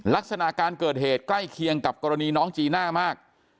ลักษณะการเกิดเหตุใกล้เคียงกับกรณีน้องจีน่ามาก